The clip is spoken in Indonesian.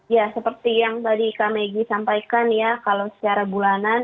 ya seperti yang tadi kak megi sampaikan ya kalau secara bulanan